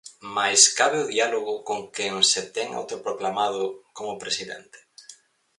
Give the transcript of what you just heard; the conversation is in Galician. Mais cabe o diálogo con quen se ten autoproclamado como presidente?